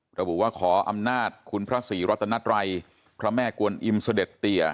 ระบุว่าขออำนาจคุณพระศรีรัตนัตรัยพระแม่กวนอิมเสด็จเตีย